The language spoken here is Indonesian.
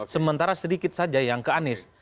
sementara sedikit saja yang ke anies